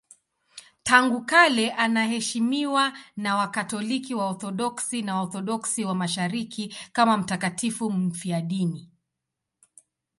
Tangu kale anaheshimiwa na Wakatoliki, Waorthodoksi na Waorthodoksi wa Mashariki kama mtakatifu mfiadini.